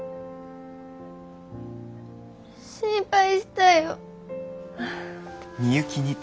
心配したよ。